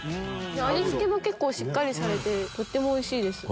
味付けも結構しっかりされてとってもおいしいです。